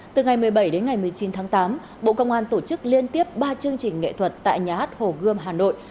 từ ngày một mươi bảy đến ngày một mươi chín tháng tám bộ công an tổ chức liên tiếp ba chương trình nghệ thuật tại nhà hát hồ gươm hà nội